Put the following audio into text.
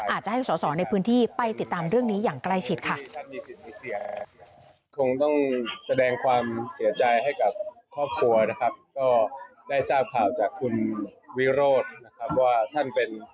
อาจจะให้สอสอในพื้นที่ไปติดตามเรื่องนี้อย่างใกล้ชิดค่ะ